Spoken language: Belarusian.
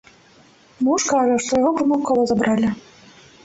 Муж кажа, што яго памылкова забралі.